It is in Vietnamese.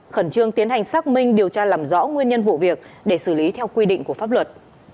khẩn trương tiến hành xác minh điều tra làm rõ nguyên nhân vụ việc để xử lý theo quy định của pháp luật